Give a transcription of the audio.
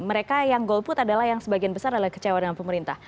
mereka yang golput adalah yang sebagian besar adalah kecewa dengan pemerintah